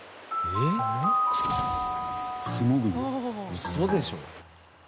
ウソでしょ？